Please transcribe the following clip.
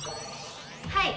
はい！